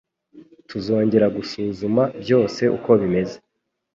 Tuzongera gusuzuma byose uko bimeze.